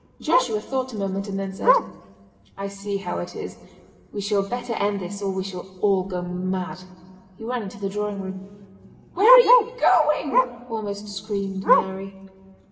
Joshua thought a moment and then said: "I see how it is. We shall better end this or we shall all go mad." He ran into the drawing room. "Where are you going?" almost screamed Mary.